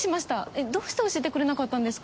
えっどうして教えてくれなかったんですか？